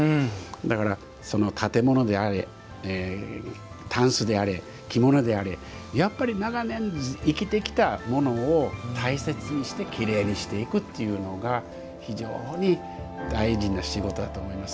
だから、建物であれたんすであれ着物であれやっぱり長年生きてきたものを大切にしてきれいにしていくというのが非常に大事な仕事だと思います。